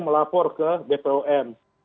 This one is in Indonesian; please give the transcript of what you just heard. melapor ke bpom